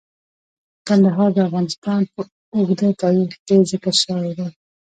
کندهار د افغانستان په اوږده تاریخ کې ذکر شوی دی.